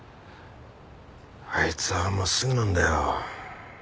あいつは真っすぐなんだよ。